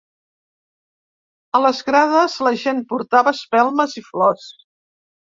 A les grades la gent portava espelmes i flors.